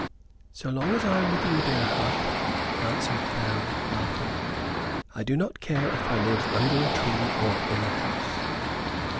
"So long as I am with you, dear heart," answered Fennel, laughing, "I do not care if I live under a tree or in a house.